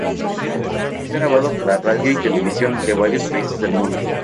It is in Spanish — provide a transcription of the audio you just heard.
Ha grabado para radio y televisión de varios países del mundo.